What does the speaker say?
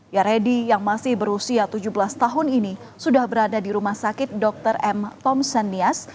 ya redi yang masih berusia tujuh belas tahun ini sudah berada di rumah sakit dr m tom senias